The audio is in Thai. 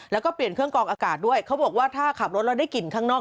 แล้วก็เปลี่ยนเครื่องกองอากาศด้วยเขาบอกว่าถ้าขับรถแล้วได้กลิ่นข้างนอก